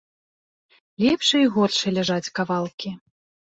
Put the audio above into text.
Лепшы і горшы ляжаць кавалкі.